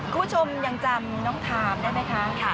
คุณผู้ชมยังจำน้องทามได้ไหมคะ